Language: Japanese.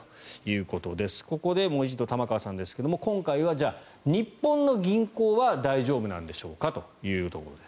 ここでもう一度、玉川さんですが今回は日本の銀行は大丈夫なんでしょうかというところです。